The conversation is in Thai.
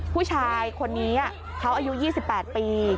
ผู้ชายคนนี้เขาอายุ๒๘ปี